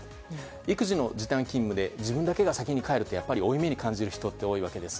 育児の時短勤務で自分だけが先に帰ると負い目に感じる人は多いわけです。